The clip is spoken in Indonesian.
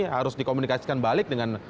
harus dikomunikasikan balik dengan